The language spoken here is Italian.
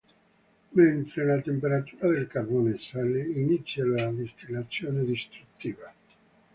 Mentre la temperatura del carbone sale, inizia la distillazione distruttiva.